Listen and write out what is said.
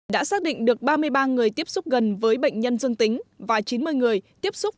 đã xác định được ba mươi ba người tiếp xúc gần với bệnh nhân dương tính và chín mươi người tiếp xúc